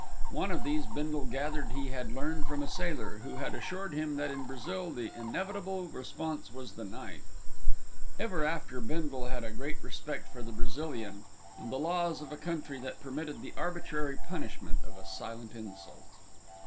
One of these Bindle gathered he had learned from a sailor, who had assured him that in Brazil the inevitable response was the knife. Ever after, Bindle had a great respect for the Brazilian, and the laws of a country that permitted the arbitrary punishment of silent insult.